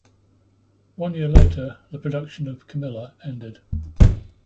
One year later, the production of "Camila" ended.